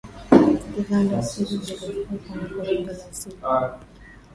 zana hizo zilikuwa kwenye korongo la isimila